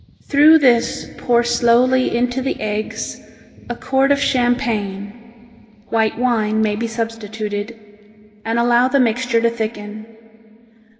Through this pour slowly into the eggs a quart of champagne (white wine may be substituted), and allow the mixture to thicken.